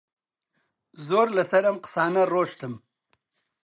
زۆر لەسەر ئەم قسانە ڕۆیشتم